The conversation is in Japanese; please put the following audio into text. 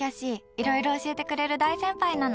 いろいろ教えてくれる大先輩なの。